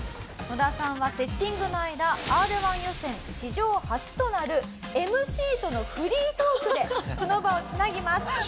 野田さんはセッティングの間Ｒ−１予選史上初となるＭＣとのフリートークでその場をつなぎます。